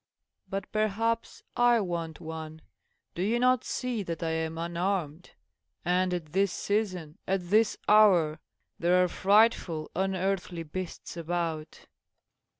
"But perhaps I want one. Do you not see that I am unarmed? And at this season, at this hour, there are frightful, unearthly beasts about."